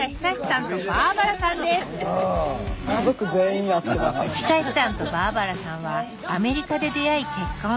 んとバーバラさんはアメリカで出会い結婚。